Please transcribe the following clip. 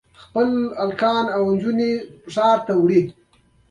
چې درې نورې هم راغلې، ډېر په ویره کې شوو.